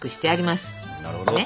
なるほど。